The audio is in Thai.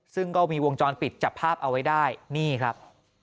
ซึ่งก็มีวงจรปิดจับภาพเอาไว้ได้นี่ครับ